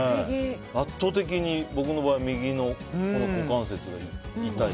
圧倒的に僕の場合は右の股関節が痛いです。